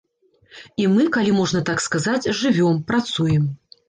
І мы, калі можна так сказаць, жывём, працуем.